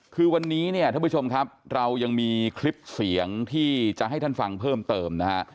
คือวันนี้เนี่ยท่านผู้ชมครับเรายังมีคลิปเสียงที่จะให้ท่านฟังเพิ่มเติมนะฮะ